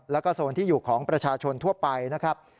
แล้วก็โซนที่อยู่ของประชาชนทั่วไปนะครับ